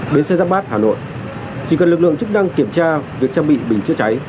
bến xe giáp bát hà nội chỉ cần lực lượng chức năng kiểm tra việc trang bị bình chữa cháy